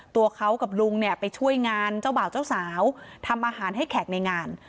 ตัวเขากับลุงเนี่ยไปช่วยงานเจ้าบ่าวเจ้าสาวทำอาหารให้แขกในงาน